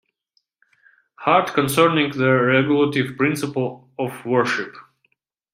Hart concerning the regulative principle of worship.